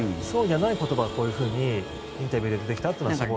そうじゃない言葉がこういうふうにインタビューで出てきたというのは。